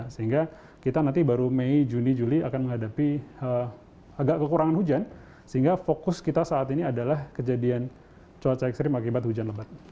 sehingga kita nanti baru mei juni juli akan menghadapi agak kekurangan hujan sehingga fokus kita saat ini adalah kejadian cuaca ekstrim akibat hujan lebat